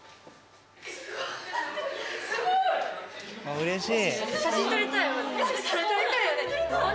うれしい。